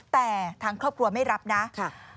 แต่ทางครอบครัวไม่รับนะ